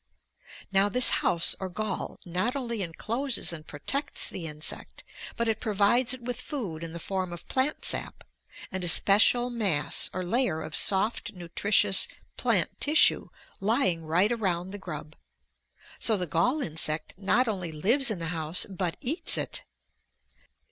Now this house or gall not only encloses and protects the insect, but it provides it with food in the form of plant sap and a special mass or layer of soft nutritious plant tissue lying right around the grub. So the gall insect not only lives in the house, but eats it!